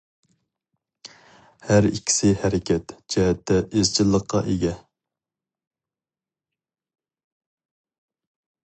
ھەر ئىككىسى ھەرىكەت جەھەتتە ئىزچىللىققا ئىگە.